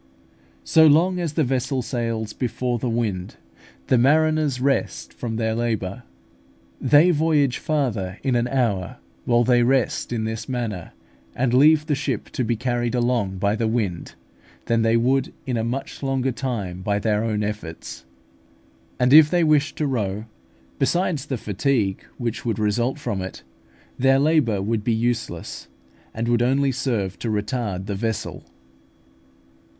So long as the vessel sails before the wind, the mariners rest from their labour. They voyage farther in an hour, while they rest in this manner and leave the ship to be carried along by the wind, than they would in a much longer time by their own efforts; and if they wished to row, besides the fatigue which would result from it, their labour would be useless, and would only serve to retard the vessel.